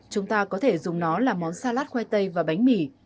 chúng ta có thể dùng nó làm món salad khoai tây và bánh mì